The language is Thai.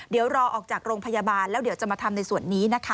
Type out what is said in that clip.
เดี๋ยวรอออกจากโรงพยาบาลแล้วเดี๋ยวจะมาทำในส่วนนี้นะคะ